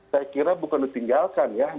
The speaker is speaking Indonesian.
saya kira bukan ditinggalkan ya